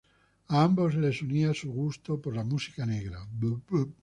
A ambos les unía su gusto por la música negra.